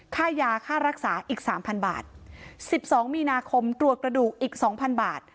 ค่ายาค่ารักษาอีก๓๐๐๐บาท๑๒มีนาคมตรวจกระดูกอีก๒๐๐๐บาท